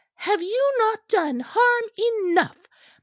"Have you not done harm enough?